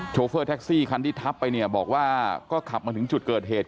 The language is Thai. โฟเฟอร์แท็กซี่คันที่ทับไปเนี่ยบอกว่าก็ขับมาถึงจุดเกิดเหตุ